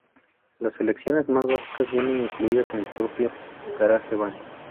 Las lecciones más básicas vienen incluidas en el propio GarageBand.